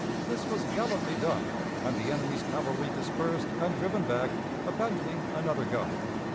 This was gallantly done, and the enemy's cavalry dispersed and driven back, abandoning another gun.